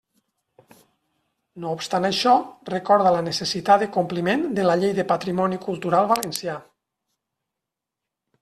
No obstant això, recorda la necessitat de compliment de la Llei de patrimoni cultural valencià.